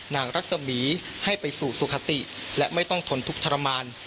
รัศมีร์ให้ไปสู่สุขติและไม่ต้องทนทุกข์ทรมาน